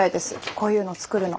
こういうの作るの。